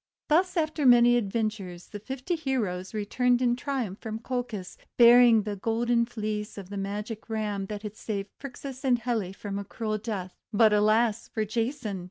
Thus after many adventures the fifty heroes returned in triumph from Colchis, bearing the Golden Fleece of the Magic Ram that had saved Phrixus and Helle from a cruel death. But, alas for Jason!